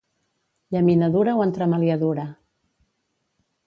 Llaminadura o entremaliadura.